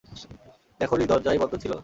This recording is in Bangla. দেখনি দরজায় বন্ধ ছিল।